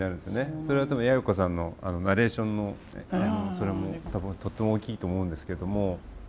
それはでも也哉子さんのナレーションのそれもとっても大きいと思うんですけども。